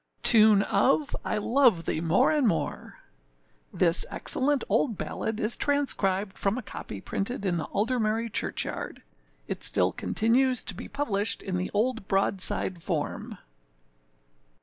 Tune of I love thee more and more. [THIS excellent old ballad is transcribed from a copy printed in Aldermary church yard. It still continues to be published in the old broadside form.